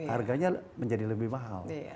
harganya menjadi lebih mahal